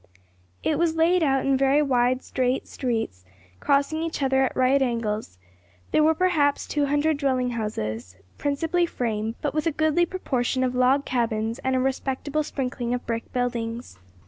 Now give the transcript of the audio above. It was laid out in very wide, straight streets, crossing each other at right angles; there were perhaps two hundred dwelling houses, principally frame, but with a goodly proportion of log cabins and a respectable sprinkling of brick buildings.